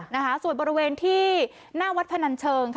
และส่วนบริเวณที่หน้าวัฏฟนัลเชิง